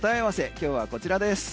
今日はこちらです。